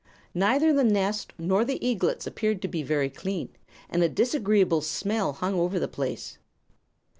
Neither the nest nor the eaglets appeared to be very clean, and a disagreeable smell hung over the place.